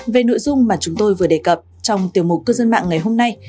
về nội dung mà chúng tôi vừa đề cập trong tiểu mục cư dân mạng ngày hôm nay